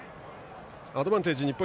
アドバンテージ、日本。